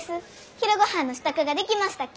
昼ごはんの支度が出来ましたき。